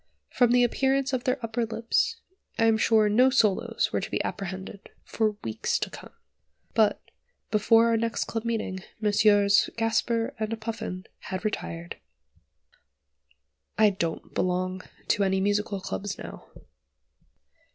From the appearance of their upper lips, I am sure no solos were to be apprehended for weeks to come. But, before our next club meeting, Messrs. Gasper and Puffin had retired. I don't belong to any musical clubs now.